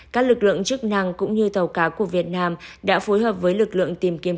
các lực lượng chức năng cũng như tàu cá của việt nam đã phối hợp với lực lượng tìm kiếm